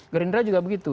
gerindra juga begitu